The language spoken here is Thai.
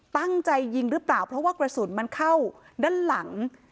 ตั้งใจยิงหรือเปล่าเพราะว่ากระสุนมันเข้าด้านหลัง